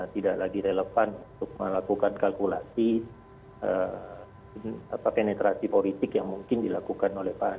tidak lagi relevan untuk melakukan kalkulasi penetrasi politik yang mungkin dilakukan